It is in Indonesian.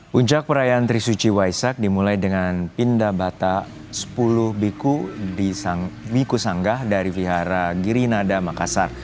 puncak perayaan trisuci waisak dimulai dengan pindah batak sepuluh biku biku sanggah dari vihara girinada makassar